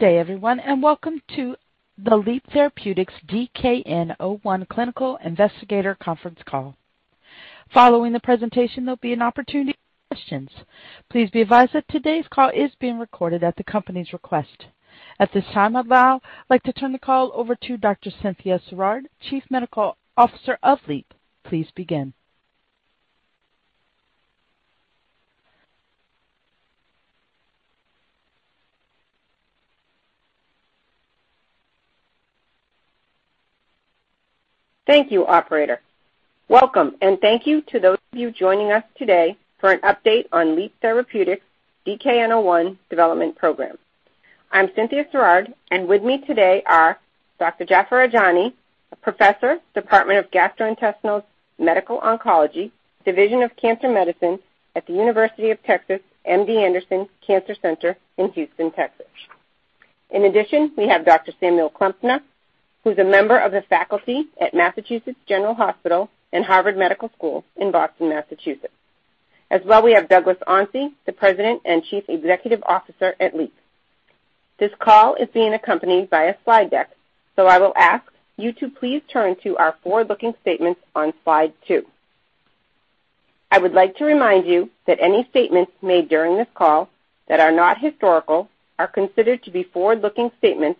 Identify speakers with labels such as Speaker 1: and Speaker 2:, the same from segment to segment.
Speaker 1: Good day, everyone. Welcome to the Leap Therapeutics DKN-01 clinical investigator conference call. Following the presentation, there'll be an opportunity for questions. Please be advised that today's call is being recorded at the company's request. At this time, I'd now like to turn the call over to Dr. Cynthia Sirard, Chief Medical Officer of Leap. Please begin.
Speaker 2: Thank you, operator. Welcome and thank you to those of you joining us today for an update on Leap Therapeutics' DKN-01 development program. I'm Cynthia Sirard, and with me today are Dr. Jaffer Ajani, a professor, Department of Gastrointestinal Medical Oncology, Division of Cancer Medicine at The University of Texas MD Anderson Cancer Center in Houston, Texas. In addition, we have Dr. Samuel Klempner, who's a member of the faculty at Massachusetts General Hospital and Harvard Medical School in Boston, Massachusetts. As well we have Douglas Onsi, the President and Chief Executive Officer at Leap. This call is being accompanied by a slide deck, so I will ask you to please turn to our forward-looking statements on slide two. I would like to remind you that any statements made during this call that are not historical are considered to be forward-looking statements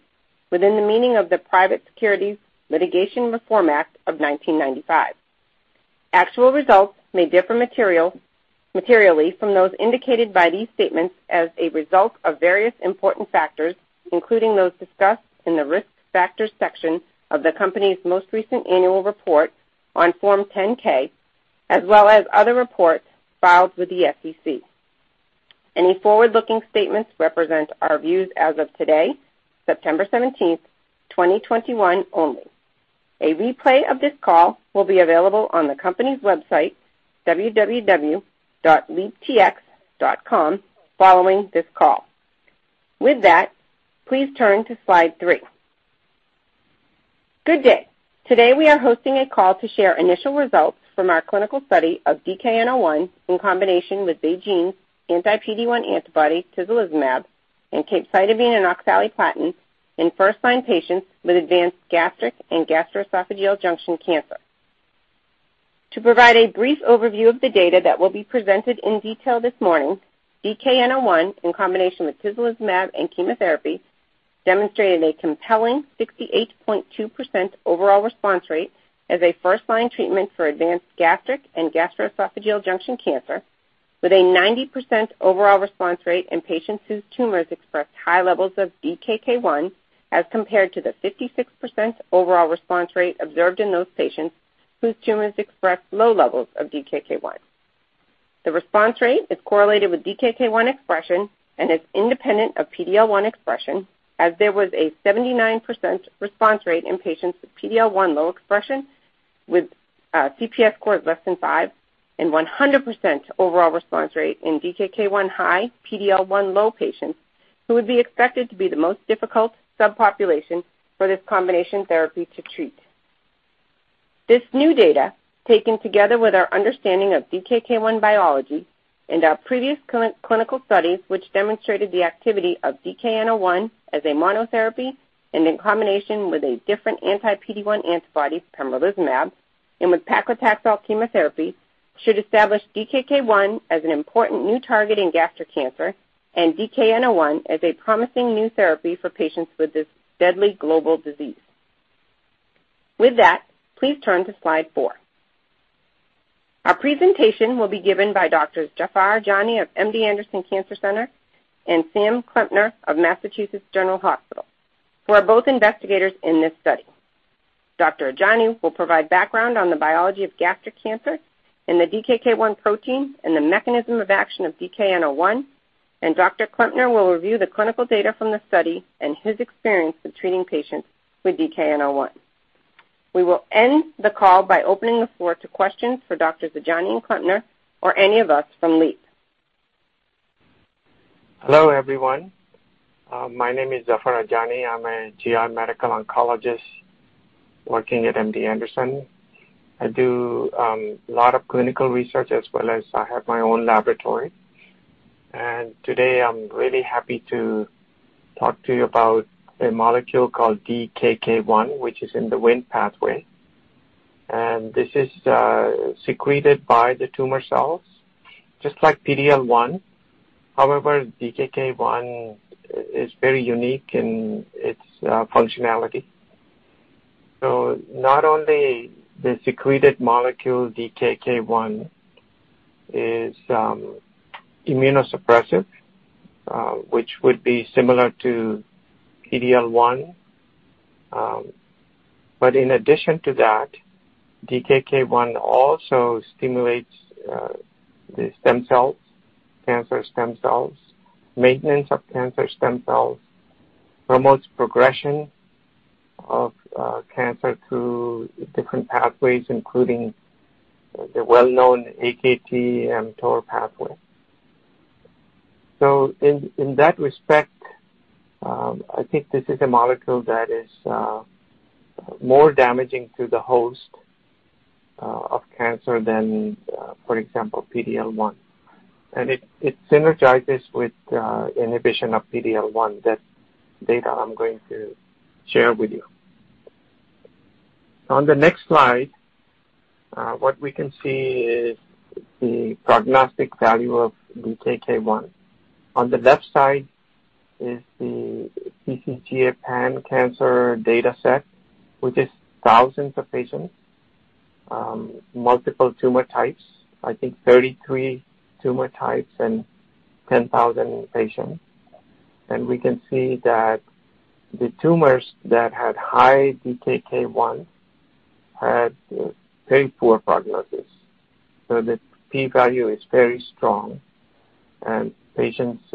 Speaker 2: within the meaning of the Private Securities Litigation Reform Act of 1995. Actual results may differ materially from those indicated by these statements as a result of various important factors, including those discussed in the Risk Factors section of the company's most recent annual report on Form 10-K, as well as other reports filed with the SEC. Any forward-looking statements represent our views as of today, September 17th, 2021 only. A replay of this call will be available on the company's website, www.leaptx.com, following this call. With that, please turn to slide three. Good day. Today, we are hosting a call to share initial results from our clinical study of DKN-01 in combination with BeiGene's anti-PD-1 antibody, tislelizumab, and capecitabine and oxaliplatin in first-line patients with advanced gastric and gastroesophageal junction cancer. To provide a brief overview of the data that will be presented in detail this morning, DKN-01, in combination with tislelizumab and chemotherapy, demonstrated a compelling 68.2% overall response rate as a first-line treatment for advanced gastric and gastroesophageal junction cancer with a 90% overall response rate in patients whose tumors expressed high levels of DKK 1, as compared to the 56% overall response rate observed in those patients whose tumors expressed low levels of DKK 1. The response rate is correlated with DKK 1 expression and is independent of PD-L1 expression, as there was a 79% response rate in patients with PD-L1-low expression with a CPS score of less than five and 100% overall response rate in DKK1-high, PD-L1-low patients who would be expected to be the most difficult subpopulation for this combination therapy to treat. This new data, taken together with our understanding of DKK 1 biology and our previous clinical studies, which demonstrated the activity of DKN-01 as a monotherapy and in combination with a different anti-PD-1 antibody, pembrolizumab, and with paclitaxel chemotherapy, should establish DKK 1 as an important new target in gastric cancer and DKN-01 as a promising new therapy for patients with this deadly global disease. With that, please turn to slide four. Our presentation will be given by Doctors Jaffer Ajani of MD Anderson Cancer Center and Samuel Klempner of Massachusetts General Hospital, who are both investigators in this study. Dr. Jaffer Ajani will provide background on the biology of gastric cancer and the DKK 1 protein and the mechanism of action of DKN-01. Dr. Samuel Klempner will review the clinical data from the study and his experience with treating patients with DKN-01. We will end the call by opening the floor to questions for Doctors Ajani and Klempner or any of us from Leap.
Speaker 3: Hello, everyone. My name is Jaffer Ajani. I'm a GI medical oncologist working at MD Anderson. I do lot of clinical research as well as I have my own laboratory. Today I'm really happy to talk to you about a molecule called DKK 1, which is in the Wnt pathway. This is secreted by the tumor cells just like PD-L1. However, DKK 1 is very unique in its functionality. Not only the secreted molecule DKK 1 is immunosuppressive, which would be similar to PD-L1, but in addition to that, DKK 1 also stimulates the stem cells, cancer stem cells, maintenance of cancer stem cells, promotes progression of cancer through different pathways, including the well-known AKT and mTOR pathway. In that respect, I think this is a molecule that is more damaging to the host-of cancer than, for example, PD-L1. It synergizes with inhibition of PD-L1. That data I'm going to share with you. On the next slide, what we can see is the prognostic value of 1. On the left side is the TCGA pan-cancer dataset, which is 1,000 of patients, multiple tumor types, I think 33 tumor types and 10,000 patients. We can see that the tumors that had high DKK 1 had very poor prognosis. The P value is very strong, and patients'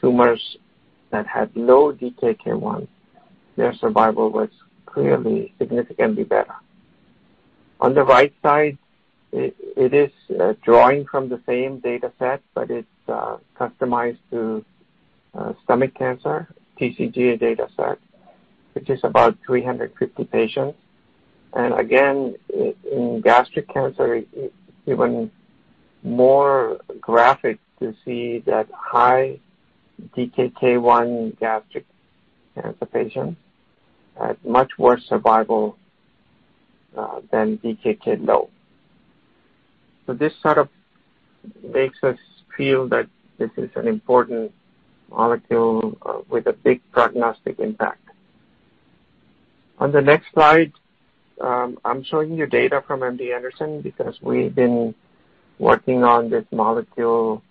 Speaker 3: tumors that had low DKK 1, their survival was clearly significantly better. On the right side, it is drawing from the same dataset, but it's customized to stomach cancer TCGA dataset, which is about 350 patients. Again, in gastric cancer, even more graphic to see that high DKK 1 gastric cancer patients had much worse survival than DKK-low. This sort of makes us feel that this is an important molecule with a big prognostic impact. On the next slide, I'm showing you data from MD Anderson because we've been working on this molecule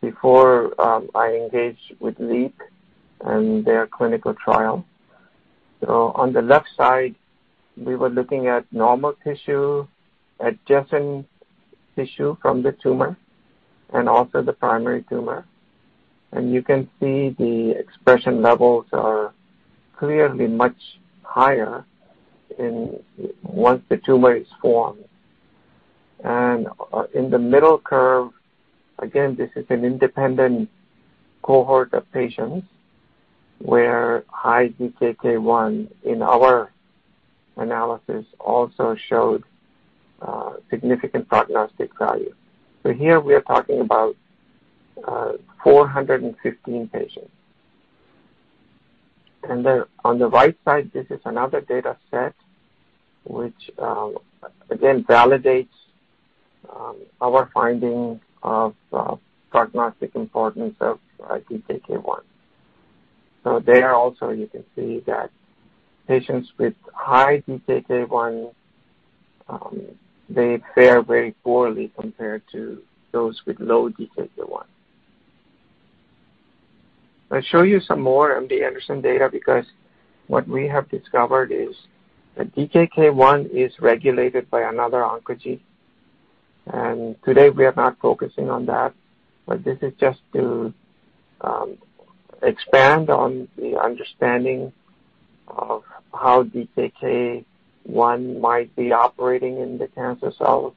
Speaker 3: before I engaged with Leap and their clinical trial. On the left side, we were looking at normal tissue, adjacent tissue from the tumor, and also the primary tumor. You can see the expression levels are clearly much higher once the tumor is formed. In the middle curve, again, this is an independent cohort of patients where high 1 in our analysis also showed significant prognostic value. Here we are talking about 415 patients. On the right side, this is another dataset which again validates our finding of prognostic importance of 1. There also you can see that patients with high DKK 1 fare very poorly compared to those with low DKK 1. I'll show you some more MD Anderson data because what we have discovered is that DKK 1 is regulated by another oncogene. Today we are not focusing on that, but this is just to expand on the understanding of how DKK 1 might be operating in the cancer cells.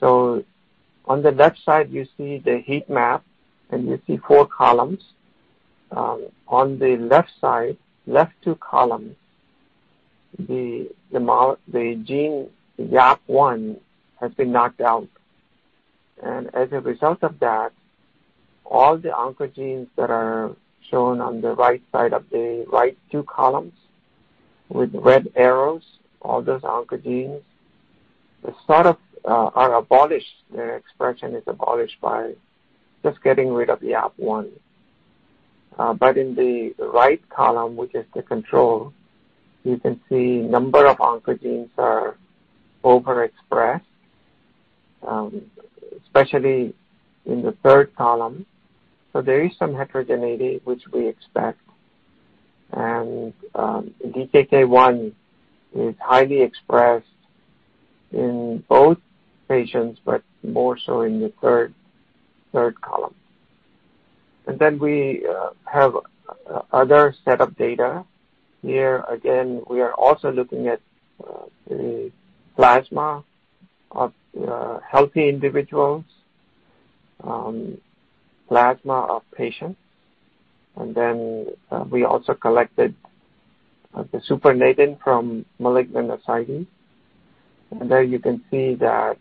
Speaker 3: On the left side, you see the heat map and you see four columns. On the left side, left two columns, the gene YAP1 has been knocked out and as a result of that, all the oncogenes that are shown on the right side of the right two columns with red arrows, all those oncogenes are abolished. Their expression is abolished by just getting rid of the YAP1. In the right column, which is the control, you can see number of oncogenes are overexpressed, especially in the third column. There is some heterogeneity which we expect. DKK 1 is highly expressed in both patients, but more so in the third column. We have other set of data. Here again, we are also looking at the plasma of healthy individuals, plasma of patients. We also collected the supernatant from malignant ascites. There you can see that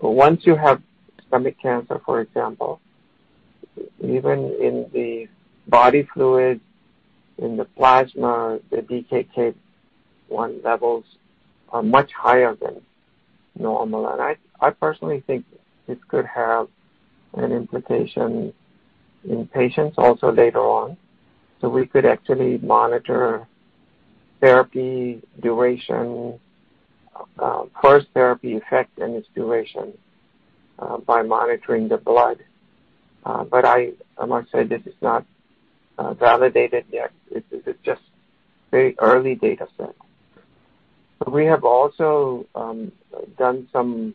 Speaker 3: once you have stomach cancer, for example, even in the body fluid, in the plasma, the 1 levels are much higher than normal. I personally think this could have an implication in patients also later on. We could actually monitor therapy duration, first therapy effect, and its duration by monitoring the blood. I must say this is not validated yet. This is just very early dataset. We have also done some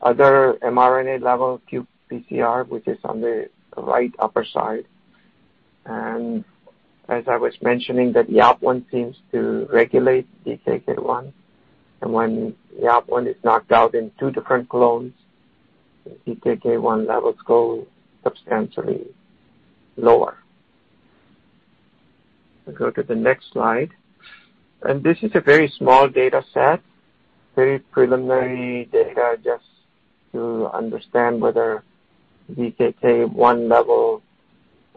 Speaker 3: other mRNA level qPCR, which is on the right upper side. As I was mentioning, that YAP1 seems to regulate 1. When YAP1 is knocked out in two different clones, the 1 levels go substantially lower. Go to the next slide. This is a very small dataset, very preliminary data, just to understand whether 1 levels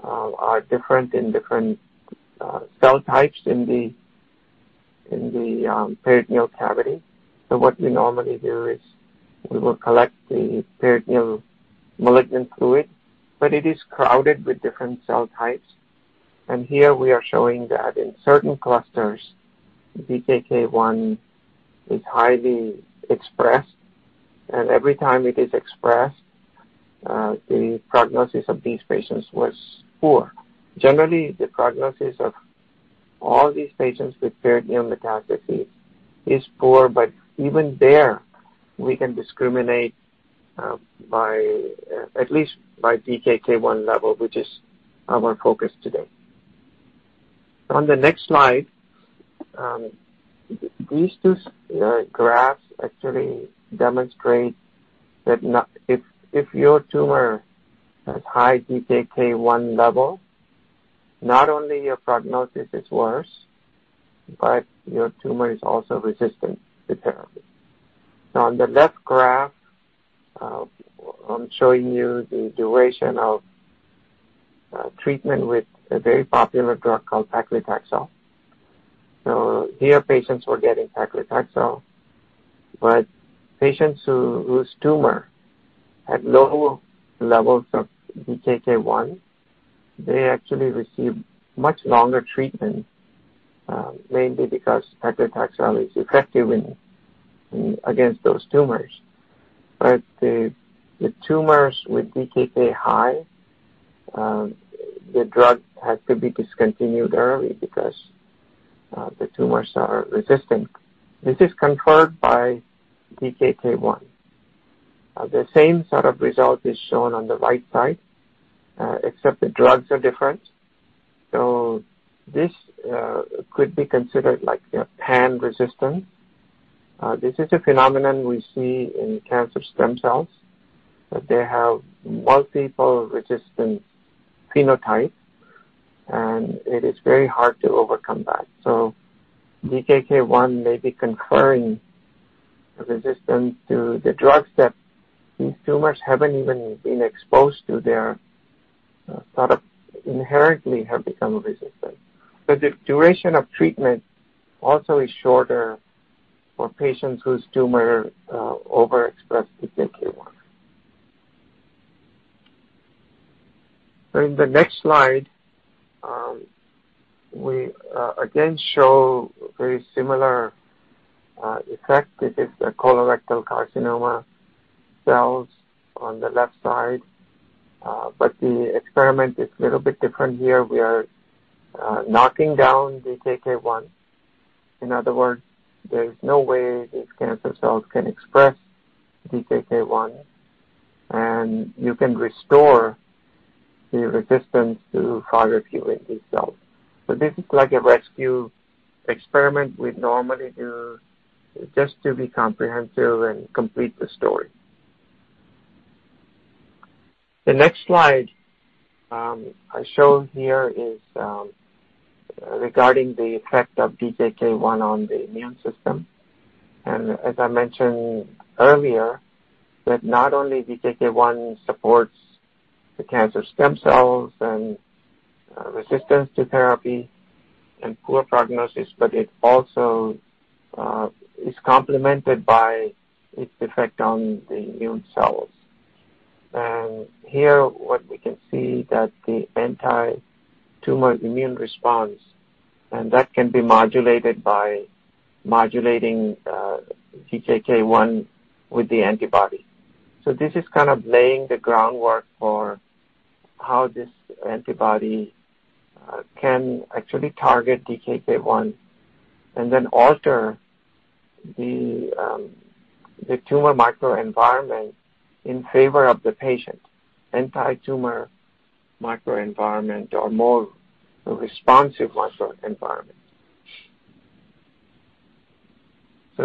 Speaker 3: are different in different cell types in the peritoneal cavity. What we normally do is we will collect the peritoneal malignant fluid, but it is crowded with different cell types. Here we are showing that in certain clusters, 1 is highly expressed, and every time it is expressed, the prognosis of these patients was poor. Generally, the prognosis of all these patients with peritoneal metastases is poor, but even there, we can discriminate at least by DKK 1 level, which is our focus today. On the next slide, these two graphs actually demonstrate that if your tumor has high DKK 1 level, not only your prognosis is worse, but your tumor is also resistant to therapy. Now, on the left graph, I'm showing you the duration of treatment with a very popular drug called paclitaxel. Here, patients were getting paclitaxel, but patients whose tumor had low levels of DKK 1, they actually received much longer treatment, mainly because paclitaxel is effective against those tumors. The tumors with DKK-high, the drug had to be discontinued early because the tumors are resistant. This is conferred by DKK 1. The same sort of result is shown on the right side, except the drugs are different. This could be considered pan-resistant. This is a phenomenon we see in cancer stem cells, that they have multiple resistant phenotypes, and it is very hard to overcome that. DKK 1 may be conferring resistance to the drugs that these tumors haven't even been exposed to. They sort of inherently have become resistant. The duration of treatment also is shorter for patients whose tumor overexpress DKK1. In the next slide, we again show very similar effect. This is the colorectal carcinoma cells on the left side. The experiment is little bit different here. We are knocking down 1. In other words, there's no way these cancer cells can express DKK 1, and you can restore the resistance to 5-FU in these cells. This is like a rescue experiment we'd normally do just to be comprehensive and complete the story. The next slide I show here is regarding the effect of 1 on the immune system. As I mentioned earlier, that not only DKK 1 supports the cancer stem cells and resistance to therapy and poor prognosis, but it also is complemented by its effect on the immune cells. Here, what we can see that the anti-tumor immune response, and that can be modulated by modulating 1 with the antibody. This is kind of laying the groundwork for how this antibody can actually target DKK 1 and then alter the tumor microenvironment in favor of the patient, anti-tumor microenvironment or more responsive microenvironment.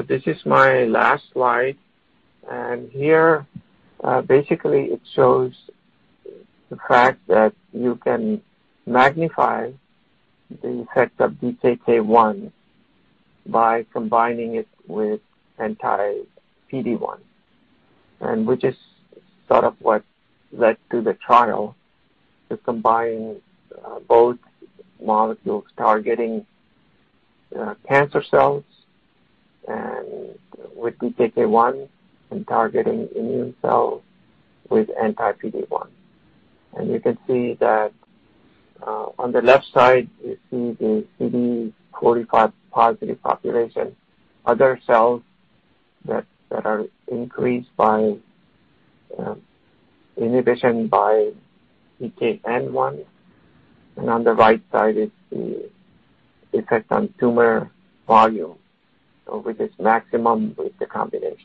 Speaker 3: This is my last slide. Here, basically it shows the fact that you can magnify the effect of DKK 1 by combining it with anti-PD-1. Which is sort of what led to the trial, to combine both molecules targeting cancer cells and with DKK 1, and targeting immune cells with anti-PD-1. You can see that on the left side, you see the CD45 positive population, other cells that are increased by inhibition by DKN-01. On the right side is the effect on tumor volume, which is maximum with the combination.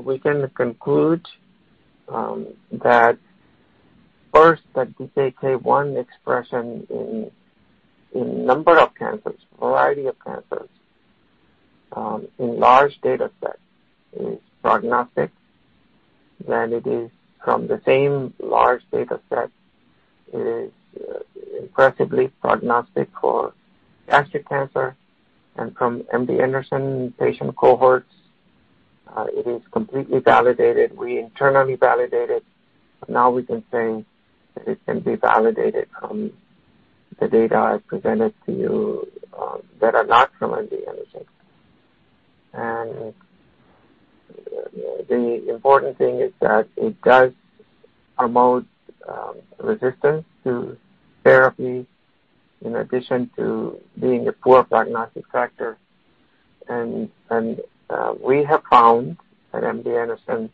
Speaker 3: We can conclude that. First, the DKK 1 expression in number of cancers, variety of cancers, in large data set is prognostic. It is from the same large data set, it is impressively prognostic for gastric cancer and from MD Anderson patient cohorts, it is completely validated. We internally validate it. We can say that it can be validated from the data I've presented to you that are not from MD Anderson. The important thing is that it does promote resistance to therapy in addition to being a poor prognostic factor. We have found at MD Anderson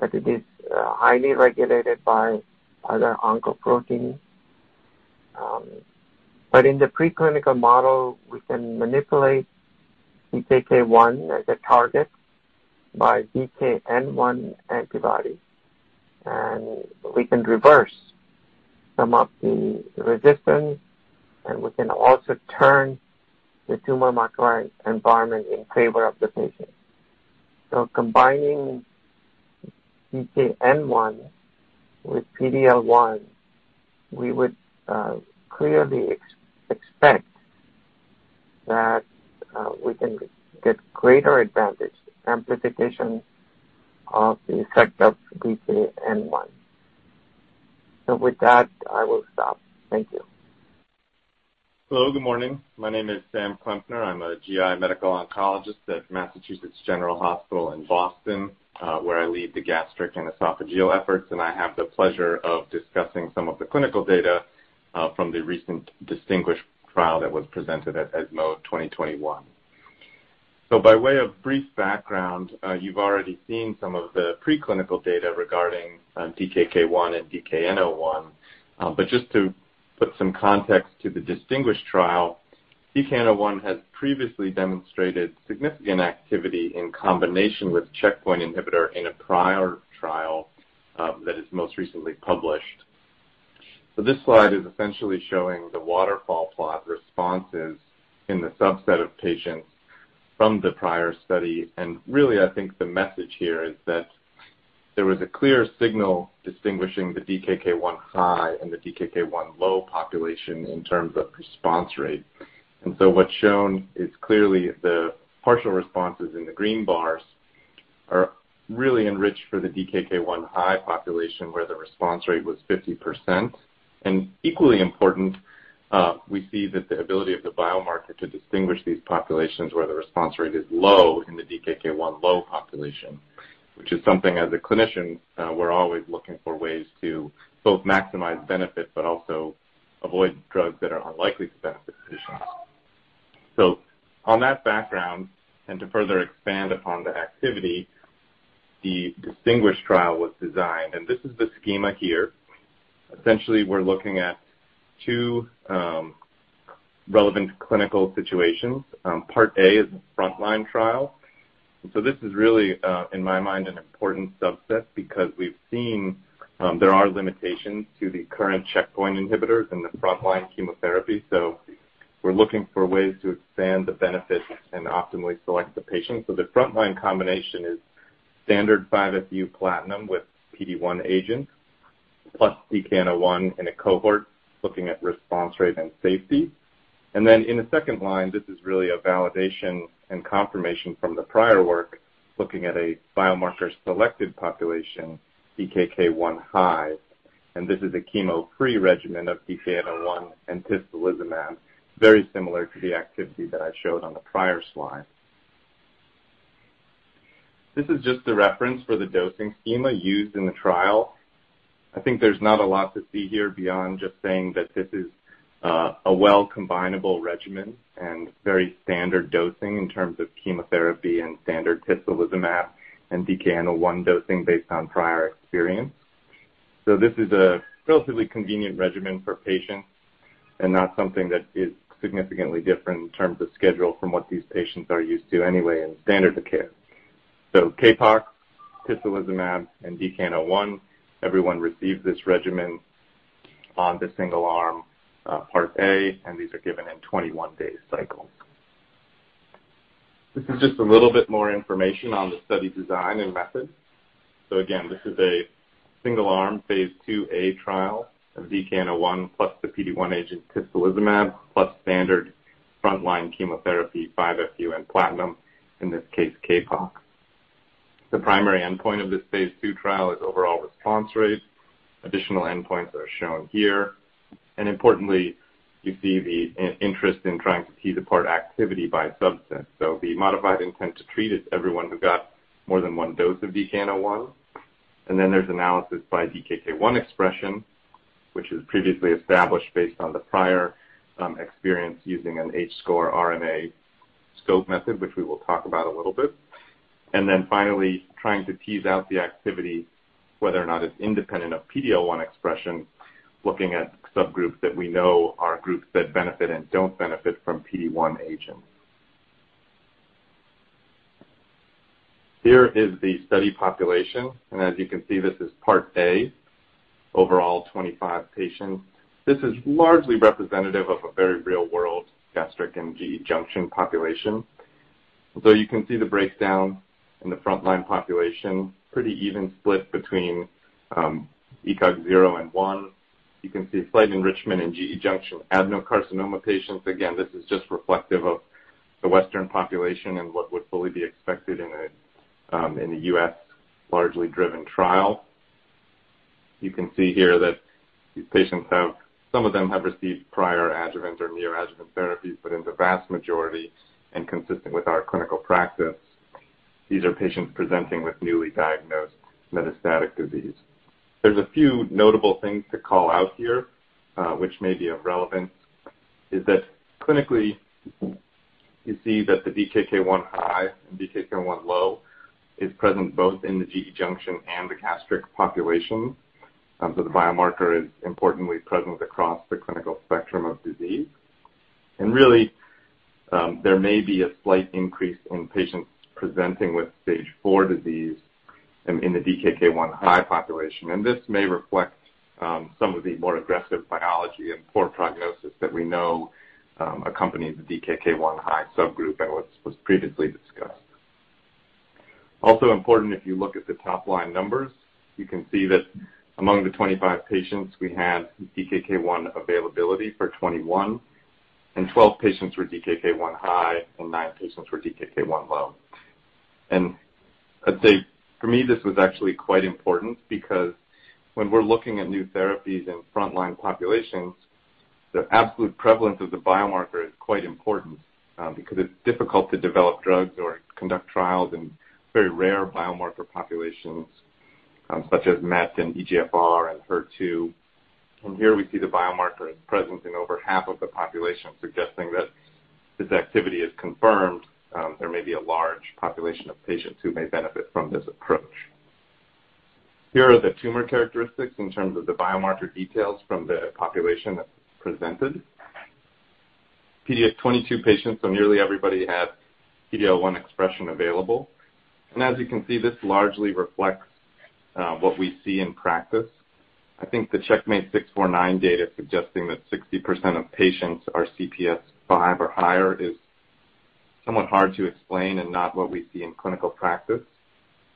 Speaker 3: that it is highly regulated by other oncoproteins. In the preclinical model, we can manipulate DKK 1 as a target by DKN-01 antibody, and we can reverse some of the resistance, and we can also turn the tumor microenvironment in favor of the patient. Combining DKN-01 with PD-L1, we would clearly expect that we can get greater advantage, amplification of the effect of DKN-01. With that, I will stop. Thank you.
Speaker 4: Hello, good morning. My name is Sam Klempner. I am a GI medical oncologist at Massachusetts General Hospital in Boston, where I lead the gastric and esophageal efforts, and I have the pleasure of discussing some of the clinical data from the recent DisTinGuish trial that was presented at ESMO 2021. By way of brief background, you have already seen some of the preclinical data regarding DKK 1 and DKN-01. Just to put some context to the DisTinGuish trial, DKN-01 has previously demonstrated significant activity in combination with checkpoint inhibitor in a prior trial that is most recently published. This slide is essentially showing the waterfall plot responses in the subset of patients from the prior study, and really, I think the message here is that there was a clear signal distinguishing the DKK1-high and the DKK1-low population in terms of response rate. What's shown is clearly the partial responses in the green bars are really enriched for the DKK1-high population, where the response rate was 50%. Equally important, we see that the ability of the biomarker to distinguish these populations where the response rate is low in the DKK1-low population. Which is something as a clinician, we're always looking for ways to both maximize benefit but also avoid drugs that are unlikely to benefit patients. On that background, and to further expand upon the activity, the DisTinGuish trial was designed, and this is the schema here. Essentially, we're looking at two relevant clinical situations. Part A is a frontline trial. This is really, in my mind, an important subset because we've seen there are limitations to the current checkpoint inhibitors in the frontline chemotherapy. We're looking for ways to expand the benefit and optimally select the patient. The frontline combination is standard 5-FU platinum with PD-1 agent plus DKN-01 in a cohort looking at response rate and safety. In the second line, this is really a validation and confirmation from the prior work looking at a biomarker selected population, DKK1-high, and this is a chemo-free regimen of DKN-01 and tislelizumab, very similar to the activity that I showed on the prior slide. This is just the reference for the dosing schema used in the trial. I think there's not a lot to see here beyond just saying that this is a well combinable regimen and very standard dosing in terms of chemotherapy and standard tislelizumab and DKN-01 dosing based on prior experience. This is a relatively convenient regimen for patients and not something that is significantly different in terms of schedule from what these patients are used to anyway in standard of care. CAPOX, tislelizumab, and DKN-01, everyone received this regimen on the single arm part A, and these are given in 21-day cycles. This is just a little bit more information on the study design and methods. Again, this is a single-arm phase IIA trial of DKN-01 plus the PD-1 agent tislelizumab plus standard frontline chemotherapy 5-FU and platinum, in this case, CAPOX. The primary endpoint of this phase II trial is overall response rate. Additional endpoints are shown here. Importantly, you see the interest in trying to tease apart activity by substance. The modified intent to treat is everyone who got more than one dose of DKN-01. There's analysis by DKK 1 expression, which is previously established based on the prior experience using an H-score RNAscope method, which we will talk about a little bit. Finally, trying to tease out the activity, whether or not it's independent of PD-L1 expression, looking at subgroups that we know are groups that benefit and don't benefit from PD-1 agents. Here is the study population, and as you can see, this is part A, overall 25 patients. This is largely representative of a very real-world gastric and GE junction population, although you can see the breakdown in the frontline population, pretty even split between ECOG 0 and 1. You can see a slight enrichment in GE junction adenocarcinoma patients. Again, this is just reflective of the Western population and what would fully be expected in a U.S.-largely driven trial. You can see here that these patients, some of them have received prior adjuvant or neoadjuvant therapies, but in the vast majority, and consistent with our clinical practice, these are patients presenting with newly diagnosed metastatic disease. There's a few notable things to call out here, which may be of relevance, is that clinically you see that the DKK1-high and DKK1-low is present both in the GE junction and the gastric population. The biomarker is importantly present across the clinical spectrum of disease. Really, there may be a slight increase in patients presenting with stage IV disease in the DKK1-high population. This may reflect some of the more aggressive biology and poor prognosis that we know accompanies the DKK1-high subgroup that was previously discussed. Also important, if you look at the top-line numbers, you can see that among the 25 patients, we had DKK 1 availability for 21, and 12 patients were DKK1-high and nine patients were DKK1-low. I'd say for me, this was actually quite important because when we're looking at new therapies in frontline populations, the absolute prevalence of the biomarker is quite important because it's difficult to develop drugs or conduct trials in very rare biomarker populations such as MET and EGFR and HER2. Here we see the biomarker is present in over half of the population, suggesting that if this activity is confirmed, there may be a large population of patients who may benefit from this approach. Here are the tumor characteristics in terms of the biomarker details from the population that's presented. PD-L1 patients, nearly everybody had PD-L1 expression available. As you can see, this largely reflects what we see in practice. I think the CheckMate 649 data suggesting that 60% of patients are CPS 5 or higher is somewhat hard to explain and not what we see in clinical practice.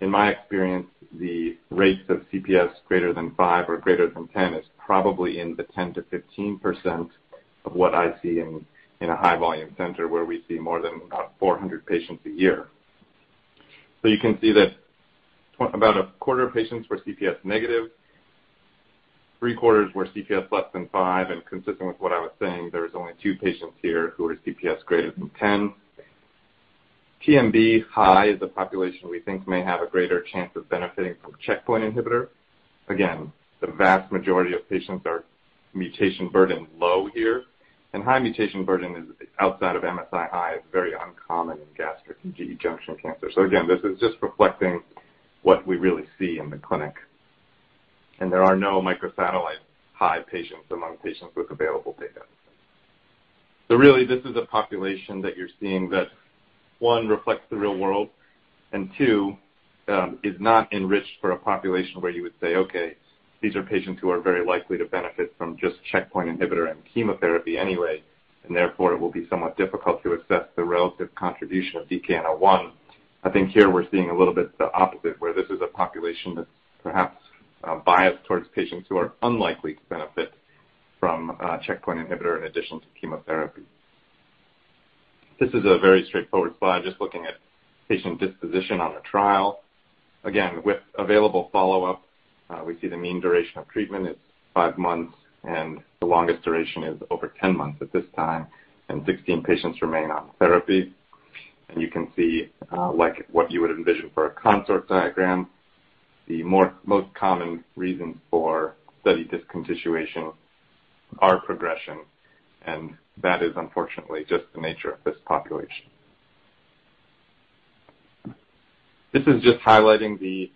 Speaker 4: In my experience, the rates of CPS greater than five or greater than 10 is probably in the 10%-15% of what I see in a high-volume center where we see more than about 400 patients a year. You can see that about a quarter of patients were CPS-negative, three-quarters were CPS less than five, and consistent with what I was saying, there was only two patients here who were CPS greater than 10. TMB-high is a population we think may have a greater chance of benefiting from checkpoint inhibitor. The vast majority of patients are mutation burden low here, and high mutation burden is outside of MSI is very uncommon in gastric and GE junction cancer. This is just reflecting what we really see in the clinic. There are no microsatellite high patients among patients with available data. This is a population that you're seeing that, one, reflects the real world, and two, is not enriched for a population where you would say, "Okay, these are patients who are very likely to benefit from just checkpoint inhibitor and chemotherapy anyway, and therefore it will be somewhat difficult to assess the relative contribution of 1." I think here we're seeing a little bit the opposite, where this is a population that's perhaps biased towards patients who are unlikely to benefit from a checkpoint inhibitor in addition to chemotherapy. This is a very straightforward slide, just looking at patient disposition on the trial. Again, with available follow-up, we see the mean duration of treatment is five months, and the longest duration is over 10 months at this time, and 16 patients remain on therapy. You can see, like what you would envision for a consort diagram, the most common reasons for study discontinuation are progression, and that is unfortunately just the nature of this population. This is just highlighting the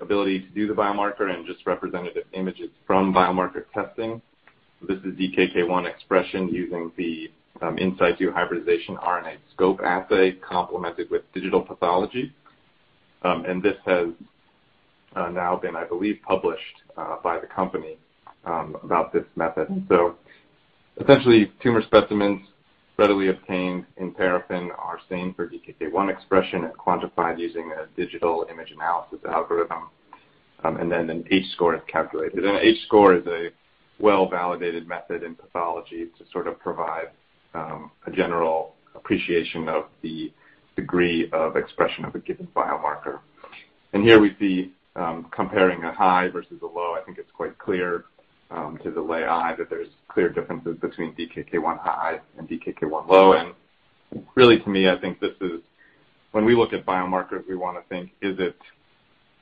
Speaker 4: ability to do the biomarker and just representative images from biomarker testing. This is DKK 1 expression using the in situ hybridization RNAscope assay complemented with digital pathology. This has now been, I believe, published by the company about this method. Essentially, tumor specimens readily obtained in paraffin are stained for DKK 1 expression and quantified using a digital image analysis algorithm. An H-score is calculated. An H-score is a well-validated method in pathology to provide a general appreciation of the degree of expression of a given biomarker. Here we see, comparing a high versus a low, I think it's quite clear to the lay eye that there's clear differences between DKK1-high and DKK1-low. To me, I think this is when we look at biomarkers, we want to think, is it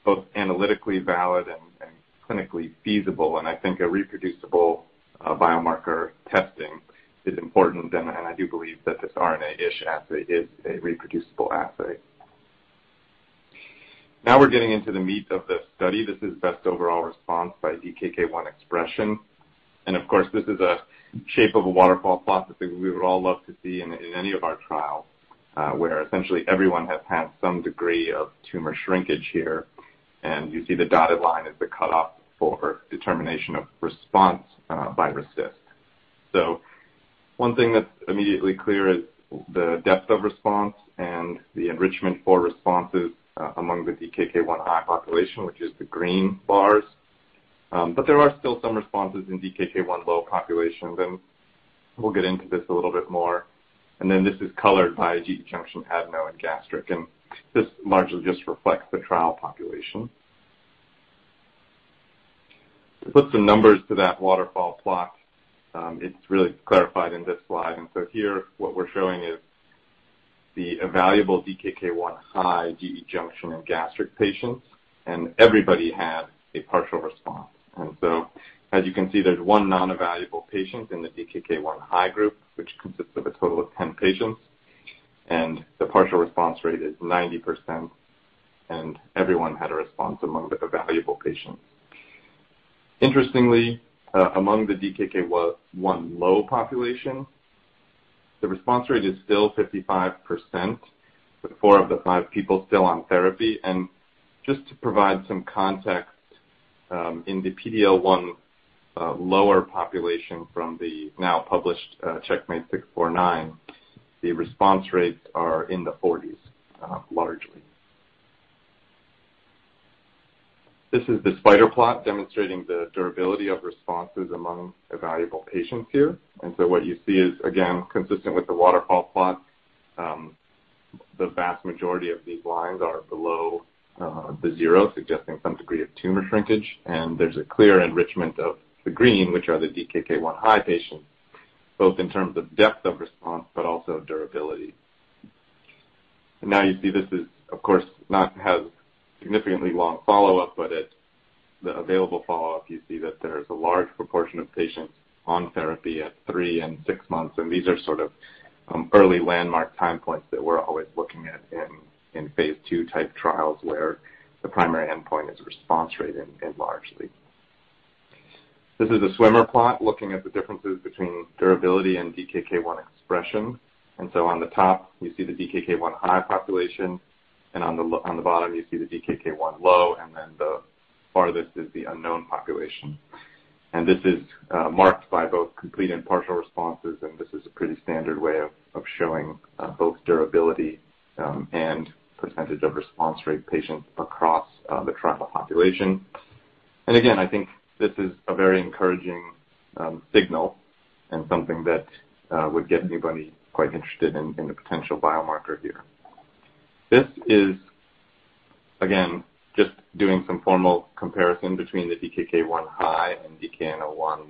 Speaker 4: both analytically valid and clinically feasible? I think a reproducible biomarker testing is important, and I do believe that this RNA ISH assay is a reproducible assay. Now we're getting into the meat of the study. This is best overall response by DKK 1 expression. Of course, this is a shape of a waterfall plot that we would all love to see in any of our trials, where essentially everyone has had some degree of tumor shrinkage here, and you see the dotted line is the cutoff for determination of response by RECIST. One thing that's immediately clear is the depth of response and the enrichment for responses among the DKK1-high population, which is the green bars. There are still some responses in DKK1-low population. We'll get into this a little bit more. This is colored by GE junction, adeno, and gastric, and this largely just reflects the trial population. To put some numbers to that waterfall plot, it's really clarified in this slide. Here, what we're showing is the evaluable DKK1-high GE junction in gastric patients, and everybody had a partial response. As you can see, there's one non-evaluable patient in the DKK1-high group, which consists of a total of 10 patients, and the partial response rate is 90%, and everyone had a response among the evaluable patients. Interestingly, among the DKK1-low population, the response rate is still 55% with four of the five people still on therapy. Just to provide some context, in the PD-L1-lower population from the now published CheckMate 649, the response rates are in the 40s, largely. This is the spider plot demonstrating the durability of responses among evaluable patients here. What you see is, again, consistent with the waterfall plot. The vast majority of these lines are below the zero, suggesting some degree of tumor shrinkage. There's a clear enrichment of the green, which are the DKK1-high patients, both in terms of depth of response but also durability. Now you see this does, of course, not have significantly long follow-up. At the available follow-up, you see that there's a large proportion of patients on therapy at three and six months. These are sort of early landmark time points that we're always looking at in phase II type trials where the primary endpoint is response rate. This is a swimmer plot looking at the differences between durability and DKK 1 expression. On the top, you see the DKK1-high population. On the bottom, you see the DKK1-low. Then the far left is the unknown population. This is marked by both complete and partial responses, and this is a pretty standard way of showing both durability and percentage of response rate patients across the trial population. Again, I think this is a very encouraging signal and something that would get anybody quite interested in the potential biomarker here. This is, again, just doing some formal comparison between the DKK1-high and DKK1--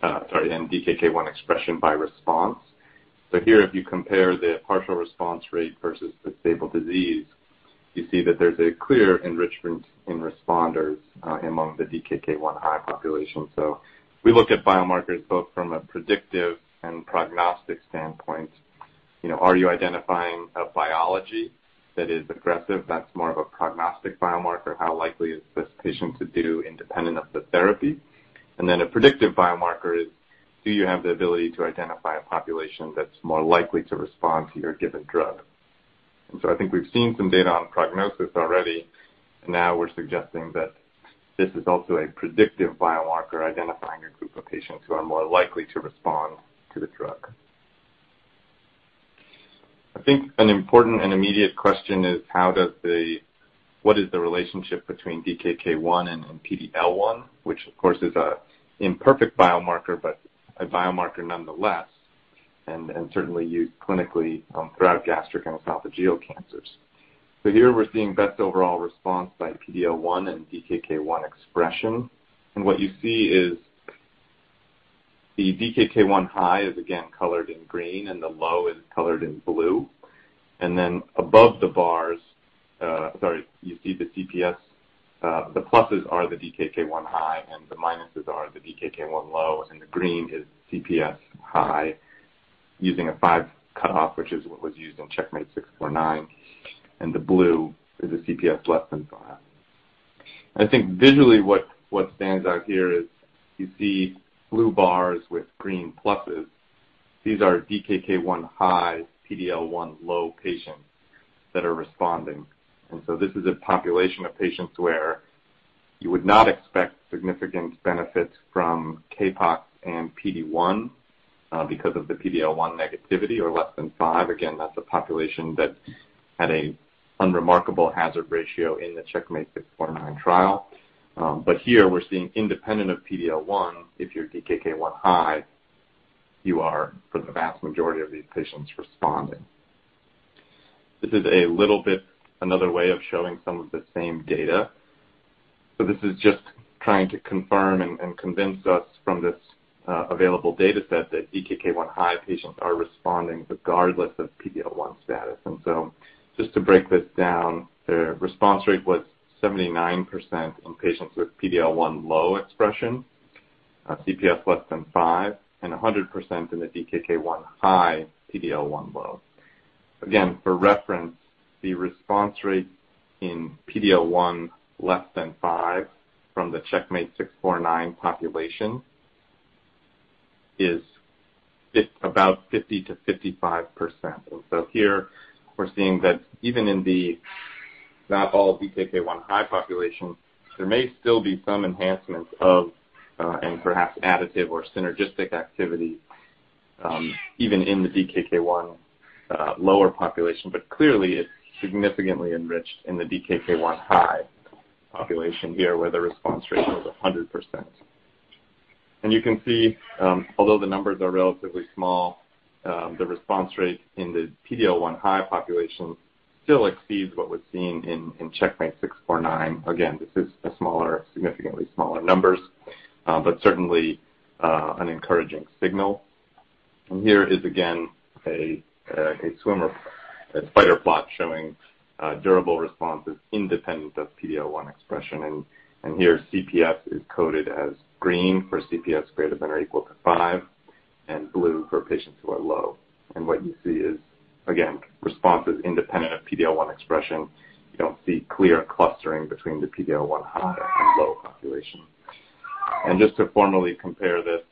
Speaker 4: sorry, and DKK1 expression by response. Here, if you compare the partial response rate versus the stable disease, you see that there's a clear enrichment in responders among the DKK1-high population. We look at biomarkers both from a predictive and prognostic standpoint. Are you identifying a biology that is aggressive? That's more of a prognostic biomarker. How likely is this patient to do independent of the therapy? A predictive biomarker is, do you have the ability to identify a population that's more likely to respond to your given drug? I think we've seen some data on prognosis already. Now we're suggesting that this is also a predictive biomarker, identifying a group of patients who are more likely to respond to the drug. I think an important and immediate question is, what is the relationship between DKK 1 and PD-L1? Which, of course, is an imperfect biomarker, but a biomarker nonetheless, and certainly used clinically throughout gastric and esophageal cancers. Here we're seeing best overall response by PD-L1 and DKK 1 expression. What you see is the DKK1-high is again colored in green, and the low is colored in blue. Above the bars, sorry, you see the CPS, the pluses are the DKK1-high, the minuses are the DKK1-low, the green is CPS-high using a five cutoff, which is what was used in CheckMate 649, and the blue is a CPS less than five. I think visually what stands out here is you see blue bars with green pluses. These are DKK1-high, PD-L1-low patients that are responding. This is a population of patients where you would not expect significant benefits from CAPOX and PD-1 because of the PD-L1-negativity or less than five. Again, that's a population that had an unremarkable hazard ratio in the CheckMate 649 trial. Here we're seeing independent of PD-L1, if you're DKK1-high, you are, for the vast majority of these patients, responding. This is a little bit another way of showing some of the same data. This is just trying to confirm and convince us from this available data set that DKK1-high patients are responding regardless of PD-L1 status. Just to break this down, their response rate was 79% in patients with PD-L1-low expression. CPS less than five and 100% in the DKK1-high, PD-L1-1ow. Again, for reference, the response rate in PD-L1 less than five from the CheckMate 649 population is about 50%-55%. Here we're seeing that even in the not all DKK1-high population, there may still be some enhancements of and perhaps additive or synergistic activity even in the DKK1-lower population. Clearly, it's significantly enriched in the DKK1-high population here, where the response rate was 100%. You can see, although the numbers are relatively small, the response rate in the PD-L1-high population still exceeds what was seen in CheckMate 649. This is a significantly smaller numbers, but certainly an encouraging signal. Here is again a spider plot showing durable responses independent of PD-L1 expression. Here CPS is coded as green for CPS greater than or equal to five and blue for patients who are low. What you see is, again, responses independent of PD-L1 expression. You don't see clear clustering between the PD-L1-high and low population. Just to formally compare this,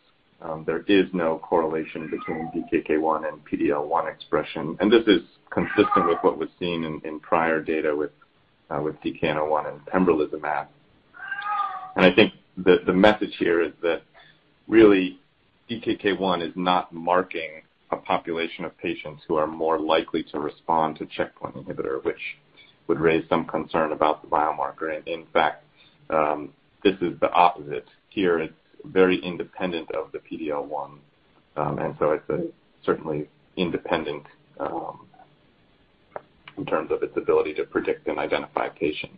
Speaker 4: there is no correlation between DKK 1 and PD-L1 expression, and this is consistent with what was seen in prior data with DKN-01 and pembrolizumab. I think that the message here is that really DKK 1 is not marking a population of patients who are more likely to respond to checkpoint inhibitor, which would raise some concern about the biomarker. In fact, this is the opposite. Here it's very independent of the PD-L1, and so it's certainly independent, in terms of its ability to predict and identify patients.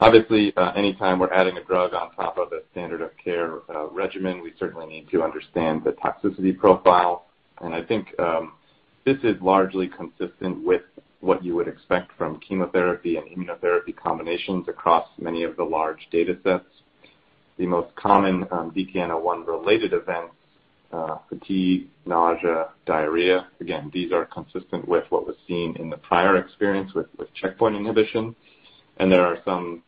Speaker 4: Obviously, anytime we're adding a drug on top of a standard of care regimen, we certainly need to understand the toxicity profile. I think this is largely consistent with what you would expect from chemotherapy and immunotherapy combinations across many of the large data sets. The most common DKN-01 related events are fatigue, nausea, diarrhea. Again, these are consistent with what was seen in the prior experience with checkpoint inhibition. There are some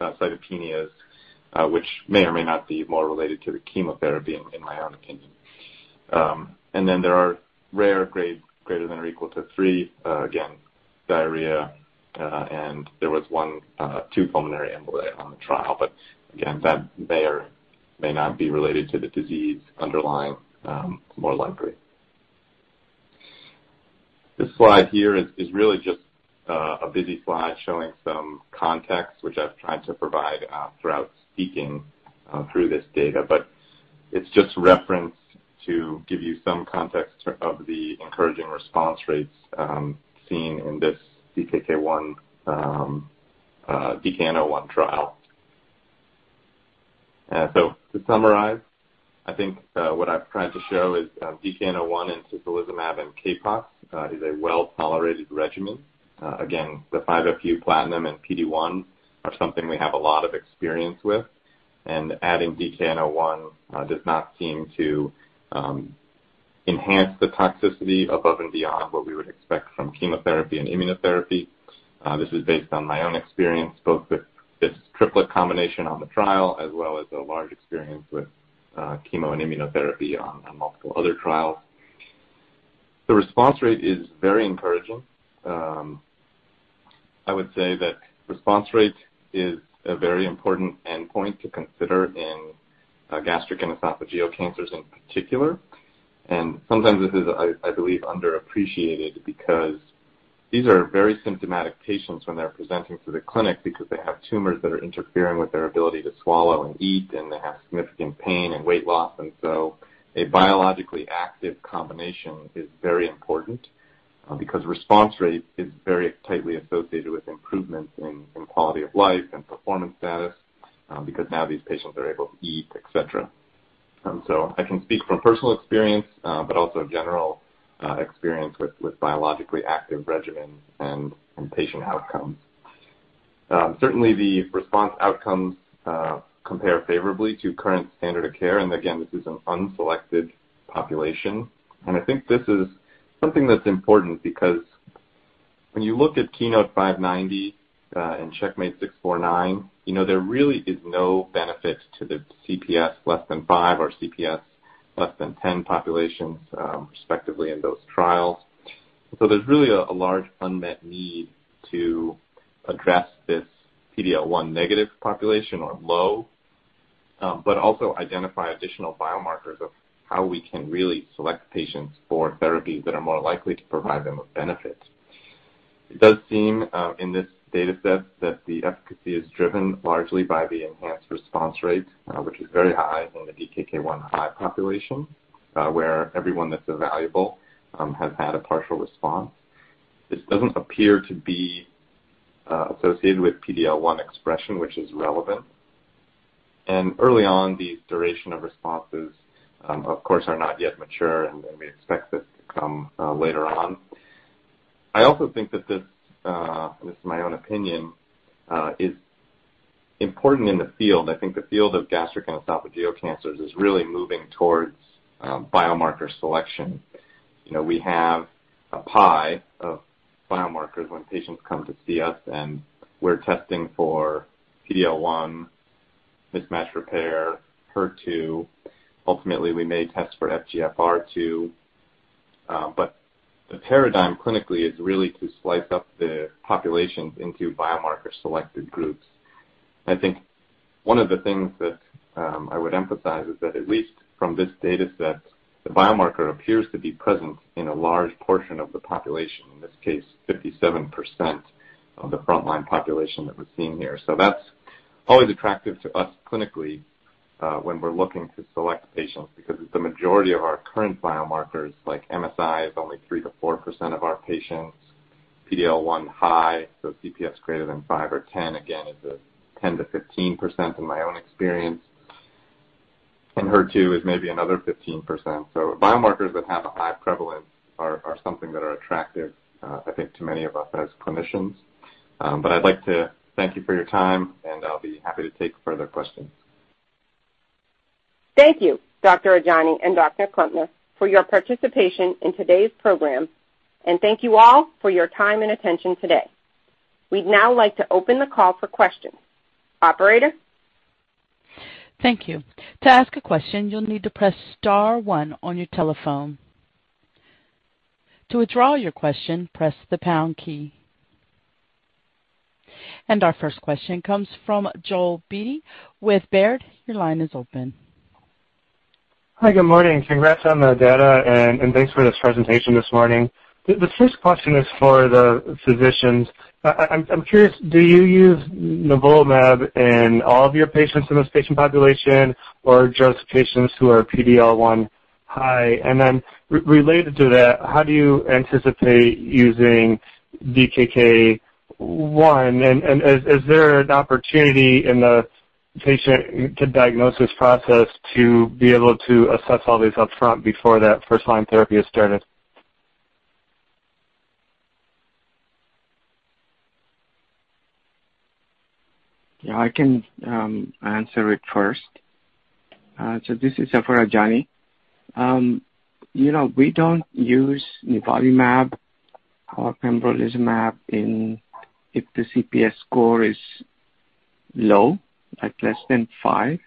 Speaker 4: cytopenias which may or may not be more related to the chemotherapy in my own opinion. There are rare grades greater than or equal to three. Again, diarrhea, there was one, two pulmonary emboli on the trial. Again, that may or may not be related to the disease underlying more likely. This slide here is really just a busy slide showing some context, which I've tried to provide throughout speaking through this data. It's just reference to give you some context of the encouraging response rates seen in this DKK1/DKN-01 trial. To summarize, I think what I've tried to show is DKN-01 and tislelizumab and CAPOX is a well-tolerated regimen. Again, the 5-FU platinum and PD-1 are something we have a lot of experience with. Adding DKN-01 does not seem to enhance the toxicity above and beyond what we would expect from chemotherapy and immunotherapy. This is based on my own experience, both with this triplet combination on the trial as well as a large experience with chemo and immunotherapy on multiple other trials. The response rate is very encouraging. Sometimes this is, I believe, underappreciated because these are very symptomatic patients when they're presenting to the clinic because they have tumors that are interfering with their ability to swallow and eat, and they have significant pain and weight loss. A biologically active combination is very important because response rate is very tightly associated with improvements in quality of life and performance status because now these patients are able to eat, et cetera. I can speak from personal experience but also general experience with biologically active regimens and patient outcomes. Certainly, the response outcomes compare favorably to current standard of care. Again, this is an unselected population, and I think this is something that's important because when you look at KEYNOTE-590 and CheckMate 649, there really is no benefit to the CPS less than five or CPS less than 10 populations respectively in those trials. There's really a large unmet need to address this PD-L1-negative population or low, but also identify additional biomarkers of how we can really select patients for therapies that are more likely to provide them with benefit. It does seem, in this data set that the efficacy is driven largely by the enhanced response rate, which is very high in the DKK1-high population, where everyone that's evaluable has had a partial response. This doesn't appear to be associated with PD-L1 expression, which is relevant. Early on, the duration of responses, of course, are not yet mature, and we expect this to come later on. I also think that this, and this is my own opinion, is important in the field. I think the field of gastric and esophageal cancers is really moving towards biomarker selection. We have a pie of biomarkers when patients come to see us, and we're testing for PD-L1, mismatch repair, HER2. Ultimately, we may test for FGFR2. The paradigm clinically is really to slice up the populations into biomarker selected groups. I think one of the things that I would emphasize is that at least from this data set, the biomarker appears to be present in a large portion of the population, in this case, 57% of the frontline population that we're seeing here. That's always attractive to us clinically, when we're looking to select patients, because the majority of our current biomarkers like MSI is only 3%-4% of our patients. PD-L1-high, CPS greater than five or 10 again, is 10%-15% in my own experience. HER2 is maybe another 15%. Biomarkers that have a high prevalence are something that are attractive, I think to many of us as clinicians. I'd like to thank you for your time, and I'll be happy to take further questions.
Speaker 2: Thank you, Dr. Ajani and Dr. Klempner, for your participation in today's program, and thank you all for your time and attention today. We'd now like to open the call for questions. Operator?
Speaker 1: Thank you. Our first question comes from Joel Beatty with Baird. Your line is open.
Speaker 5: Hi, good morning. Congrats on the data, and thanks for this presentation this morning. The first question is for the physicians. I'm curious, do you use nivolumab in all of your patients in this patient population or just patients who are PD-L1-high? Related to that, how do you anticipate using DKK 1? Is there an opportunity in the patient to diagnose this process to be able to assess all this upfront before that first-line therapy is started?
Speaker 3: Yeah, I can answer it first. This is Jaffer Ajani. We don't use nivolumab or pembrolizumab if the CPS score is low, like less than five.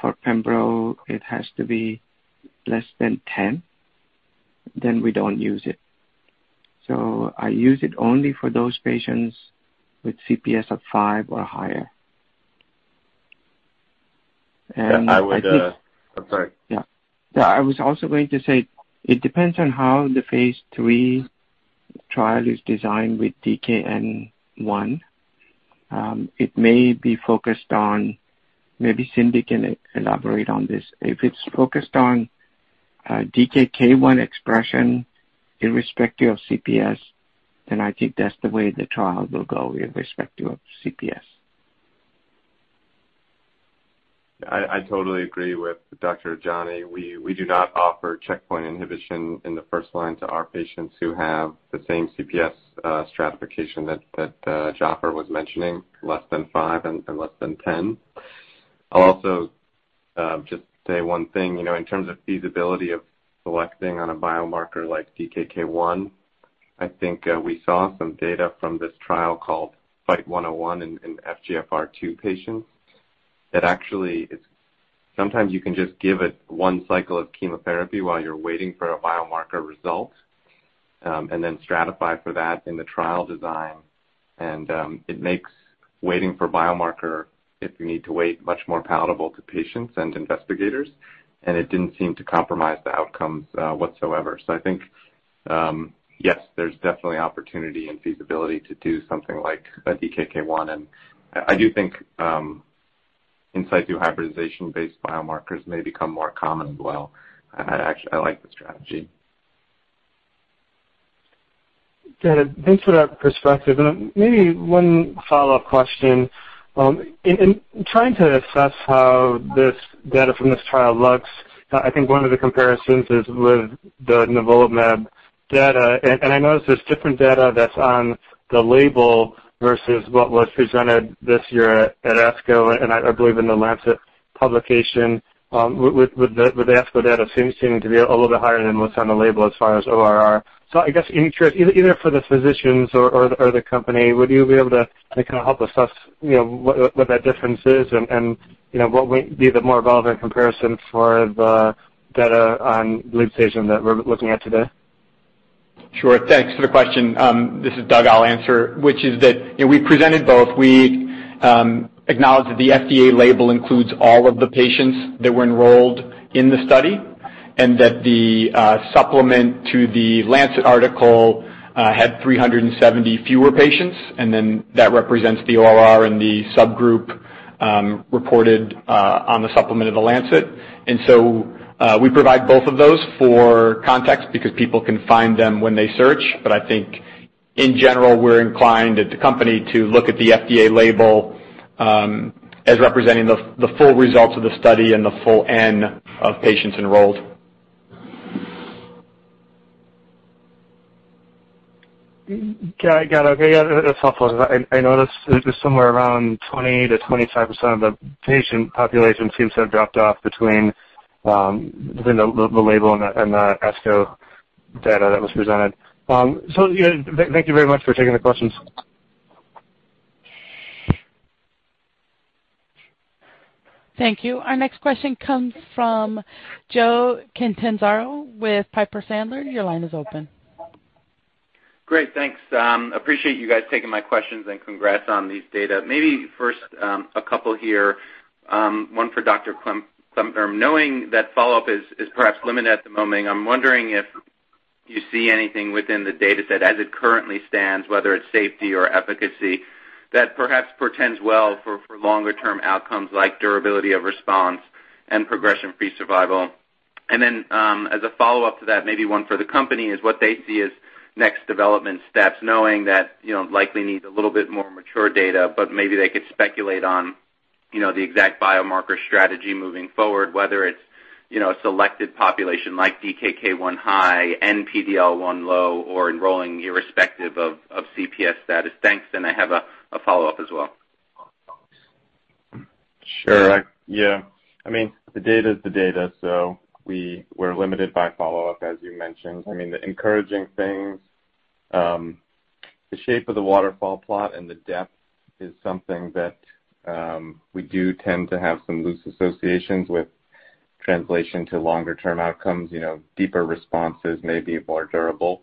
Speaker 3: For pembro, it has to be less than 10. We don't use it. I use it only for those patients with CPS of five or higher.
Speaker 4: Yeah, I'm sorry.
Speaker 3: Yeah. I was also going to say it depends on how the phase III trial is designed with DKN-01. It may be focused on, maybe Cindy can elaborate on this. If it's focused on DKK 1 expression irrespective of CPS, I think that's the way the trial will go irrespective of CPS.
Speaker 4: I totally agree with Dr. Ajani. We do not offer checkpoint inhibition in the first line to our patients who have the same CPS stratification that Jaffer was mentioning, less than five and less than 10. I'll also just say one thing. In terms of feasibility of selecting on a biomarker like DKK 1, I think we saw some data from this trial called FIGHT-101 in FGFR2 patients that actually, sometimes you can just give it one cycle of chemotherapy while you're waiting for a biomarker result, and then stratify for that in the trial design. It makes waiting for biomarker, if you need to wait, much more palatable to patients and investigators, and it didn't seem to compromise the outcomes whatsoever. I think, yes, there's definitely opportunity and feasibility to do something like a DKK 1. I do think in situ hybridization-based biomarkers may become more common as well. I like the strategy.
Speaker 5: Got it. Thanks for that perspective. Maybe 1 follow-up question. In trying to assess how this data from this trial looks, I think 1 of the comparisons is with the nivolumab data. I noticed there's different data that's on the label versus what was presented this year at ASCO. I believe in "The Lancet" publication, with the ASCO data seeming to be a little bit higher than what's on the label as far as ORR. I guess I'm curious, either for the physicians or the company, would you be able to kind of help assess what that difference is and what might be the more relevant comparison for the data on Leap's study that we're looking at today?
Speaker 6: Sure. Thanks for the question. This is Doug. I'll answer. Which is that we presented both. We acknowledge that the FDA label includes all of the patients that were enrolled in the study, that the supplement to The Lancet article had 370 fewer patients, that represents the ORR and the subgroup reported on the supplement of The Lancet. We provide both of those for context because people can find them when they search. In general, we're inclined at the company to look at the FDA label as representing the full results of the study and the full N of patients enrolled.
Speaker 5: Got it. Okay. Yeah, that's helpful. I noticed there's somewhere around 20%-25% of the patient population seems to have dropped off between the label and the ASCO data that was presented. Thank you very much for taking the questions.
Speaker 1: Thank you. Our next question comes from Joe Catanzaro with Piper Sandler. Your line is open.
Speaker 7: Great. Thanks. Appreciate you guys taking my questions and congrats on these data. First a couple here, one for Dr. Klempner. Knowing that follow-up is perhaps limited at the moment, I'm wondering if you see anything within the data set as it currently stands, whether it's safety or efficacy, that perhaps portends well for longer-term outcomes like durability of response and progression-free survival. As a follow-up to that, maybe one for the company is what they see as next development steps, knowing that likely needs a little bit more mature data, but maybe they could speculate on the exact biomarker strategy moving forward, whether it's a selected population like DKK1-high and PD-L1-low, or enrolling irrespective of CPS status. Thanks. I have a follow-up as well.
Speaker 4: Sure. Yeah. The data is the data, so we're limited by follow-up, as you mentioned. The encouraging things, the shape of the waterfall plot and the depth is something that we do tend to have some loose associations with translation to longer-term outcomes. Deeper responses may be more durable,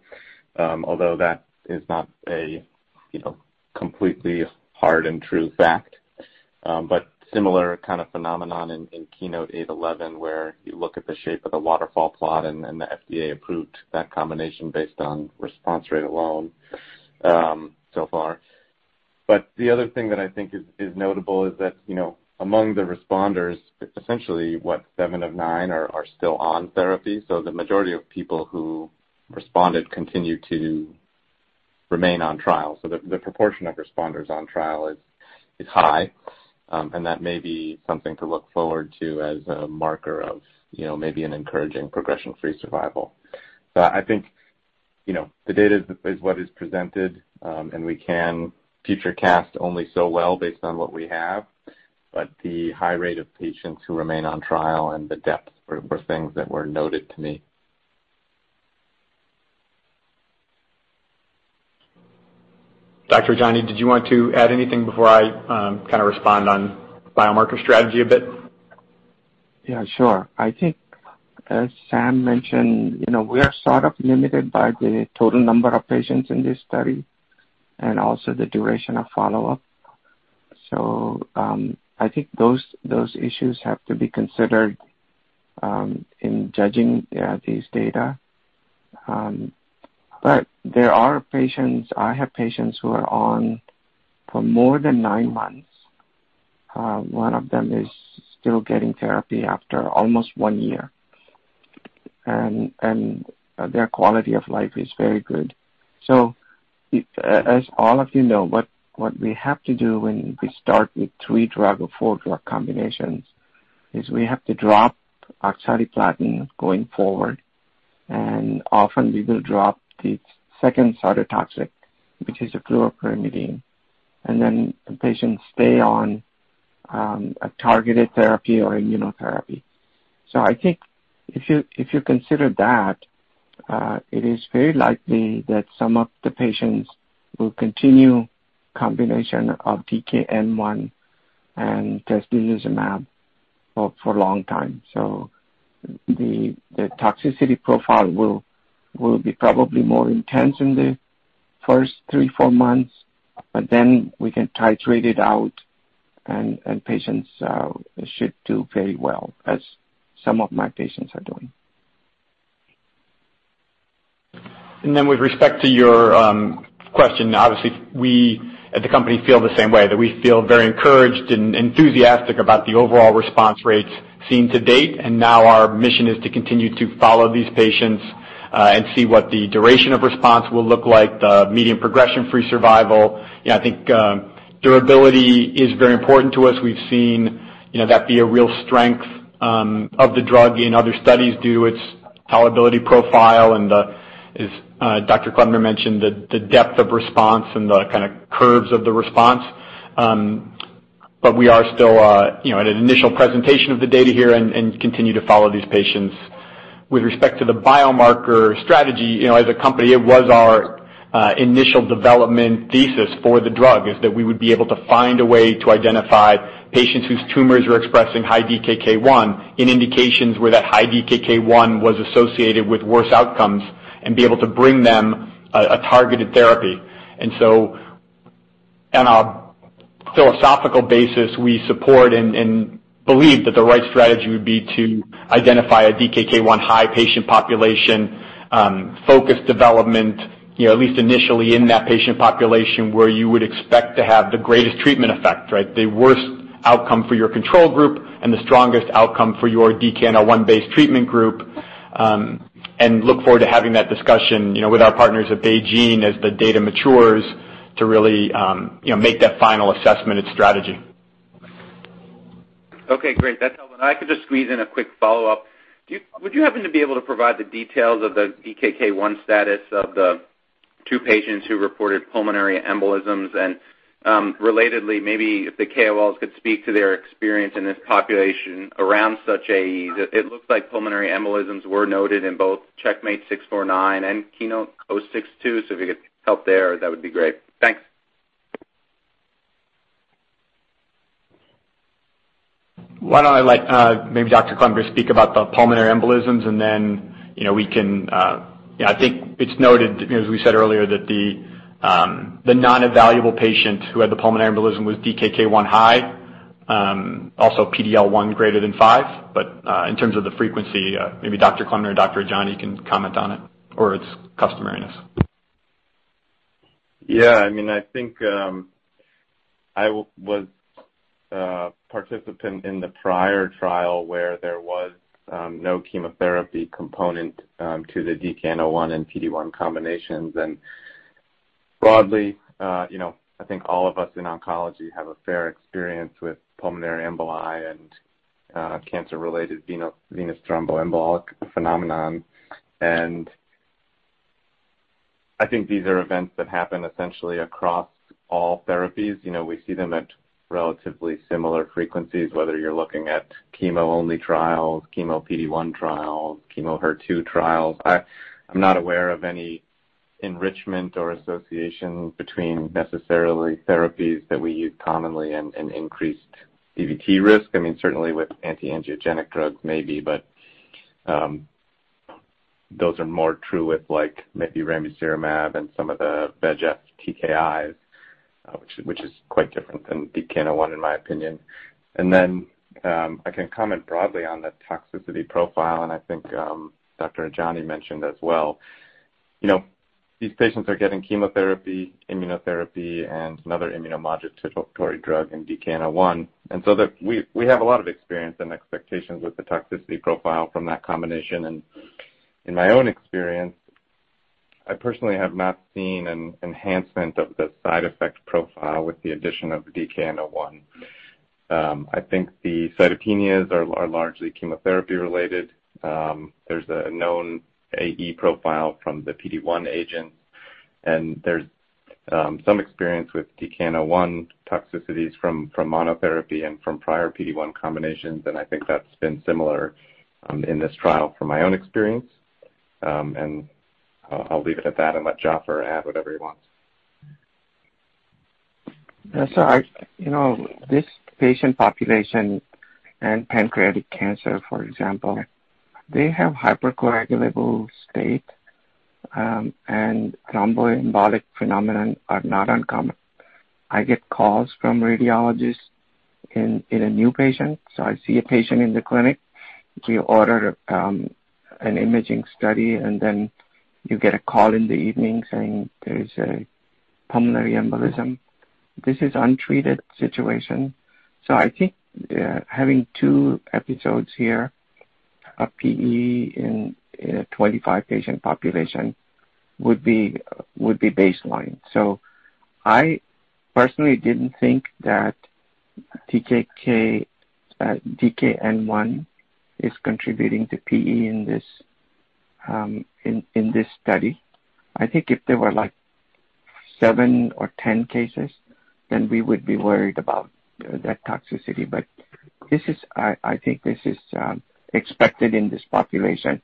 Speaker 4: although that is not a completely hard and true fact. Similar kind of phenomenon in KEYNOTE-811, where you look at the shape of the waterfall plot, and the FDA approved that combination based on response rate alone so far. The other thing that I think is notable is that among the responders, essentially what seven of nine are still on therapy. The majority of people who responded continue to remain on trial. The proportion of responders on trial is high. That may be something to look forward to as a marker of maybe an encouraging progression free survival. I think the data is what is presented, and we can future cast only so well based on what we have. The high rate of patients who remain on trial and the depth were things that were noted to me.
Speaker 6: Dr. Ajani, did you want to add anything before I kind of respond on biomarker strategy a bit?
Speaker 3: Yeah, sure. I think as Sam mentioned, we are sort of limited by the total number of patients in this study and also the duration of follow-up. I think those issues have to be considered in judging these data. I have patients who are on for more than nine months. One of them is still getting therapy after almost one year, and their quality of life is very good. As all of you know, what we have to do when we start with three-drug or four-drug combinations is we have to drop oxaliplatin going forward, and often we will drop the second cytotoxic, which is a fluoropyrimidine. The patients stay on a targeted therapy or immunotherapy. I think if you consider that, it is very likely that some of the patients will continue combination of 1 and trastuzumab for a long time. The toxicity profile will be probably more intense in the first three, four months, but then we can titrate it out, and patients should do very well, as some of my patients are doing.
Speaker 6: With respect to your question, obviously we at the company feel the same way, that we feel very encouraged and enthusiastic about the overall response rates seen to date. Now our mission is to continue to follow these patients and see what the duration of response will look like, the median progression-free survival. I think durability is very important to us. We've seen that be a real strength of the drug in other studies due to its tolerability profile and as Dr. Klempner mentioned, the depth of response and the kind of curves of the response. We are still at an initial presentation of the data here and continue to follow these patients. With respect to the biomarker strategy, as a company, it was our initial development thesis for the drug, is that we would be able to find a way to identify patients whose tumors are expressing high DKK 1 in indications where that high DKK 1 was associated with worse outcomes and be able to bring them a targeted therapy. On a philosophical basis, we support and believe that the right strategy would be to identify a DKK1-high patient population focus development at least initially in that patient population where you would expect to have the greatest treatment effect, right? The worst outcome for your control group and the strongest outcome for your DKN-01-based treatment group. Look forward to having that discussion with our partners at BeiGene as the data matures to really make that final assessment and strategy.
Speaker 7: Okay, great. That's helpful. I could just squeeze in a quick follow-up. Would you happen to be able to provide the details of the DKK 1 status of the two patients who reported pulmonary embolisms? Relatedly, maybe if the KOLs could speak to their experience in this population around such AEs. It looks like pulmonary embolisms were noted in both CheckMate 649 and KEYNOTE-062. If you could help there, that would be great. Thanks.
Speaker 6: Why don't I let maybe Dr. Klempner speak about the pulmonary embolisms, and then we can. I think it's noted, as we said earlier, that the non-evaluable patient who had the pulmonary embolism was DKK1-high, also PD-L1 greater than 5%. In terms of the frequency, maybe Dr. Klempner or Dr. Ajani can comment on it or its customary in us.
Speaker 4: Yeah, I think I was a participant in the prior trial where there was no chemotherapy component to the 1 and PD-1 combinations. Broadly, I think all of us in oncology have a fair experience with pulmonary emboli and cancer-related venous thromboembolic phenomenon. I think these are events that happen essentially across all therapies. We see them at relatively similar frequencies, whether you're looking at chemo-only trials, chemo PD-1 trials, chemo HER2 trials. I'm not aware of any enrichment or association between necessarily therapies that we use commonly and increased DVT risk. Certainly with anti-angiogenic drugs maybe, but those are more true with maybe ramucirumab and some of the VEGF TKIs, which is quite different than 1, in my opinion. Then, I can comment broadly on the toxicity profile, and I think Dr. Ajani mentioned as well. These patients are getting chemotherapy, immunotherapy, and another immunomodulatory drug in 1. We have a lot of experience and expectations with the toxicity profile from that combination. In my own experience, I personally have not seen an enhancement of the side effect profile with the addition of 1. I think the cytopenias are largely chemotherapy related. There's a known AE profile from the PD-1 agent, and there's some experience with 1 toxicities from monotherapy and from prior PD-1 combinations, and I think that's been similar in this trial from my own experience. I'll leave it at that and let Jaffer add whatever he wants.
Speaker 3: This patient population and pancreatic cancer, for example, they have hypercoagulable state, and thromboembolic phenomenon are not uncommon. I get calls from radiologists in a new patient. I see a patient in the clinic. We order an imaging study, you get a call in the evening saying there is a pulmonary embolism. This is untreated situation. I think having two episodes here of PE in a 25-patient population would be baseline. I personally didn't think that DKN-01 is contributing to PE in this study. I think if there were seven or 10 cases, we would be worried about that toxicity. I think this is expected in this population,